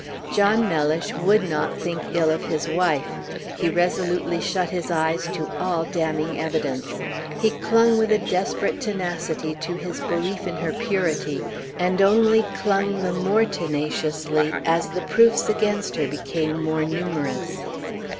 John Mellish would not think ill of his wife. He resolutely shut his eyes to all damning evidence. He clung with a desperate tenacity to his belief in her purity, and only clung the more tenaciously as the proofs against her became more numerous.